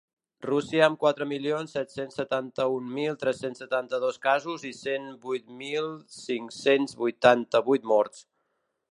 Rússia, amb quatre milions set-cents setanta-un mil tres-cents setanta-dos casos i cent vuit mil cinc-cents vuitanta-vuit morts.